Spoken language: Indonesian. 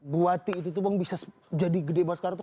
buati itu tuh bang bisa jadi gede banget sekarang tuh